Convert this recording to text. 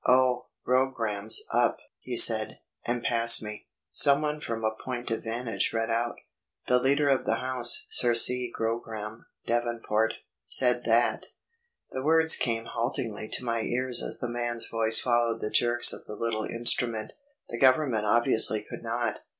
"Oh, Grogram's up," he said, and passed me. Someone from a point of vantage read out: "The Leader of the House (Sir C. Grogram, Devonport) said that...." The words came haltingly to my ears as the man's voice followed the jerks of the little instrument "... the Government obviously could not